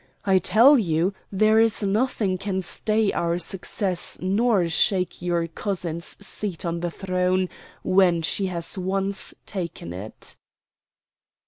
I tell you there is nothing can stay our success nor shake your cousin's seat on the throne when she has once taken it."